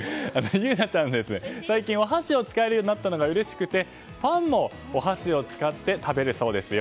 優菜ちゃんは最近は箸を使えるようになったのがうれしくてパンも箸を使って食べるそうですよ。